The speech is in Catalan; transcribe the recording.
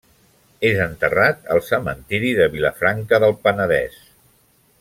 És enterrat al Cementiri de Vilafranca del Penedès.